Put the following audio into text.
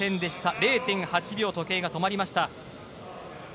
０．８秒時計が止まりました。